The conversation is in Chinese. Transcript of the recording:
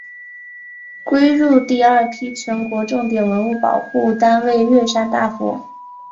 归入第二批全国重点文物保护单位乐山大佛。